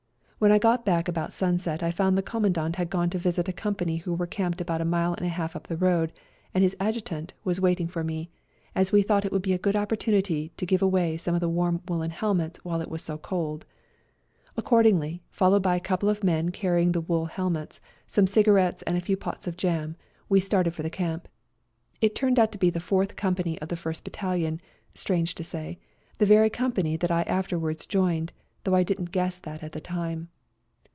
When I got back about sunset I found the Com mandant had gone to visit a company who were camped about a mile and a half up the road, and his Adjutant was waiting for me, as we thought it would be a good opportunity to give away some of the warm woollen helmets while it was so cold. Accordingly, followed by a couple of men carrying the wool helmets, some cigarettes and a few pots of jam, we started for the camp. It turned out to be the Fourth Company of the First Battalion, strange to say, the very company that I after wards joined, though I didn't guess that 86 A COLD NIGHT RIDE at the time.